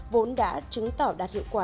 vốn đã chứng tỏ đạt hiệu quả